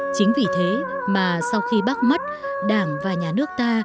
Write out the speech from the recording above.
chính vì thế mà sau khi bác mất đảng và nhà nước ta